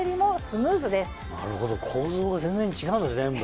なるほど構造が全然違うんだ全部。